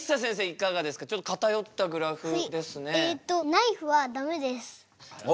ナイフはダメです。